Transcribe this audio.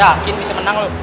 yakin bisa menang lu